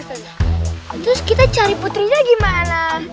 terus kita cari putri dia gimana